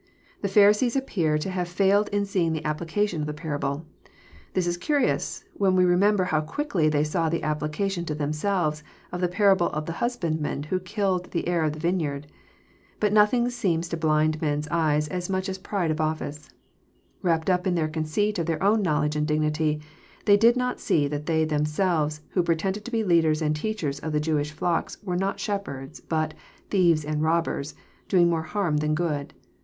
'] The Pharisees appear to have failed in seeing the application of the parable. This is curious, when we remember how quickly they saw the applica tion to themselves of the parable of the husbandmen who killed the heir of the vineyard. But nothing seems to blind men's eyes so much as pride of office. Wrapped up in their conceit of their own knowledge and dignity, they did not see that they them selves who pretended to be leaders and teachers of the Jewish flocks were not shepherds, but <* thieves and robbers," doing more harm than good.